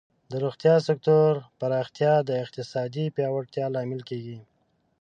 د روغتیا سکتور پراختیا د اقتصادی پیاوړتیا لامل کیږي.